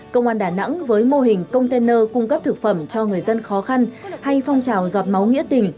công an đà nẵng với mô hình container cung cấp thực phẩm cho người dân khó khăn hay phong trào giọt máu nghĩa tình